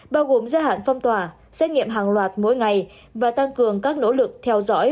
bao gồm gia hạn phong tỏa xét nghiệm hàng loạt mỗi ngày và tăng cường các nỗ lực theo dõi